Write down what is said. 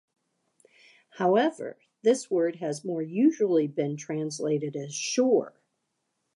However, this word has more usually been translated as shore.